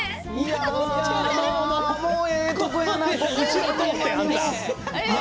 あらー、ええとこやない。